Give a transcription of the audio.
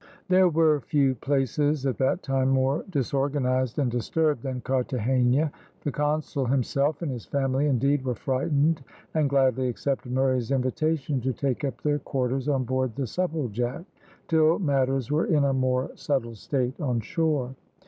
There were few places at that time more disorganised and disturbed than Carthagena. The consul himself and his family, indeed, were frightened, and gladly accepted Murray's invitation to take up their quarters on board the Supplejack, till matters were in a more settled state on shore.